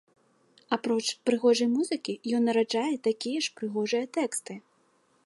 Апроч прыгожай музыкі, ён нараджае такія ж прыгожыя тэксты.